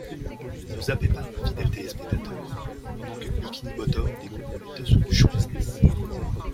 Ne zappez pas, fidèles téléspectateurs, pendant que Bikini Bottom découvre les dessous du show-business!